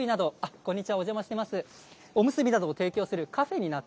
こんにちは。